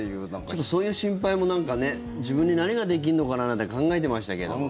ちょっとそういう心配も自分に何ができんのかななんて考えてましたけど。